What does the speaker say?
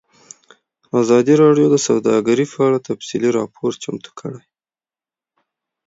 ازادي راډیو د سوداګري په اړه تفصیلي راپور چمتو کړی.